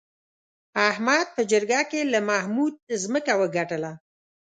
احمد په جرګه کې له محمود ځمکه وګټله.